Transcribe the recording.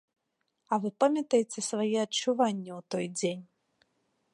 А вы памятаеце свае адчуванні ў той дзень?